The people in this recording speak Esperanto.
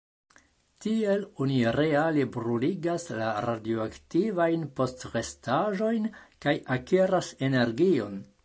Tiel oni reale bruligas la radioaktivajn postrestaĵojn kaj akiras energion.